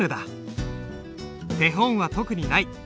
手本は特にない。